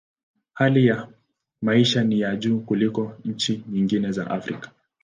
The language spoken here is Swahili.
Hali ya maisha ni ya juu kuliko nchi nyingi za Afrika.